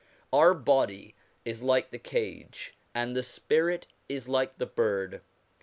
Our body is like the cage, and the spirit is like the bird.